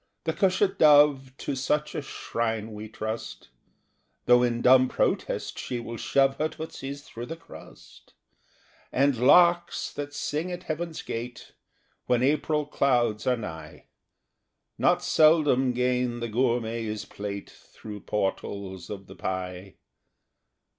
The cushat dove To such a shrine we trust, Though in dumb protest she will shove Her tootsies through the crust; And larks, that sing at Heaven's gate When April clouds are high, Not seldom gain the gourmet's plate Through portals of the pie.